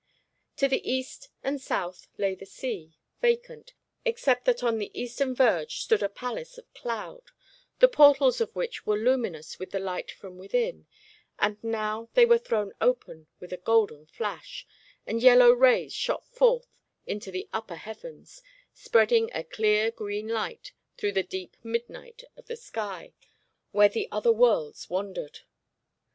To the east and south lay the sea, vacant, except that on the eastern verge stood a palace of cloud, the portals of which were luminous with the light from within, and now they were thrown open with a golden flash, and yellow rays shot forth into the upper heavens, spreading a clear green light through the deep midnight of the sky where the other worlds wandered.